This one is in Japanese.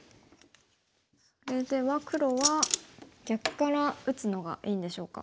それでは黒は逆から打つのがいいんでしょうか。